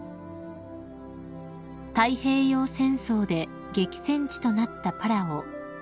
［太平洋戦争で激戦地となったパラオ］